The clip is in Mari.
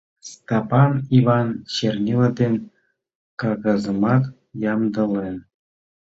Стапан Йыван чернила ден кагазымат ямдылен.